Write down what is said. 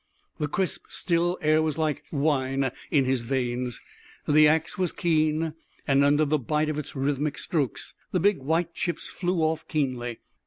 The crisp, still air was like wine in his veins. The axe was keen, and under the bite of its rhythmic strokes the big white chips flew off keenly.